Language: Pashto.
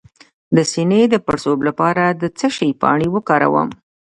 د سینې د پړسوب لپاره د څه شي پاڼې وکاروم؟